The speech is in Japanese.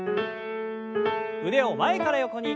腕を前から横に。